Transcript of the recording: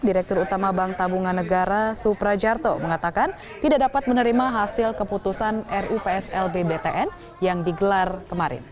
direktur utama bank tabungan negara suprajarto mengatakan tidak dapat menerima hasil keputusan rupslb btn yang digelar kemarin